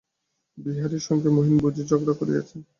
বিহারীর সঙ্গে মহিন বুঝি ঝগড়া করিয়াছে?